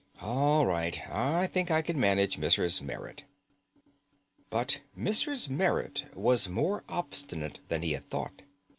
"All right. I think I can manage Mrs. Merrit." But Mrs. Merrit was more obstinate than he had thought.